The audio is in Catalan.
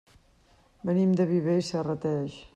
Venim de Viver i Serrateix.